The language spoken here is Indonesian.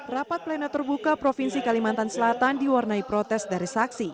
rapat plena terbuka provinsi kalimantan selatan diwarnai protes dari saksi